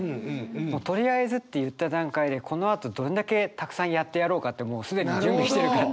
「とりあえず」って言った段階でこのあとどんだけたくさんやってやろうかってもう既に準備してる。